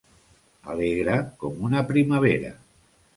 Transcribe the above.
Alegre com una primavera.